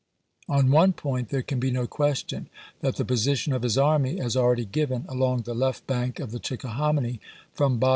On one point there can be no question, that the position of his army, as already given, along the left bank of the Chickahominy from Bot 1862.